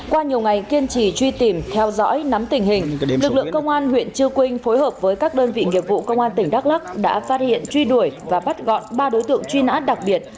qua nhiều ngày kiên trì truy tìm theo dõi nắm tình hình lực lượng công an huyện chư quynh phối hợp với các đơn vị nghiệp vụ công an tỉnh đắk lắc đã phát hiện truy đuổi và bắt gọn ba đối tượng truy nã đặc biệt